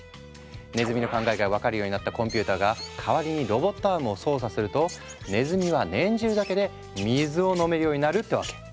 ねずみの考えが分かるようになったコンピューターが代わりにロボットアームを操作するとねずみは念じるだけで水を飲めるようになるってわけ。